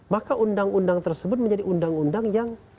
maka undang undang tersebut menjadi undang undang yang